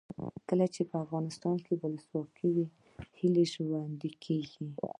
کله چې افغانستان کې ولسواکي وي هیلې ژوندۍ کیږي.